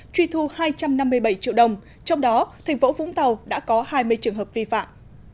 truy thu hai trăm năm mươi bảy triệu đồng trong đó thành phố vũng tàu đã có hai mươi trường hợp vi phạm